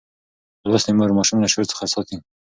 لوستې مور ماشوم له شور څخه ساتي.